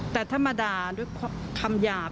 แต่ถ้ามาด่าด้วยคำหยาบ